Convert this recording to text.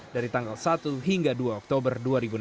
dari tanggal satu hingga dua oktober dua ribu enam belas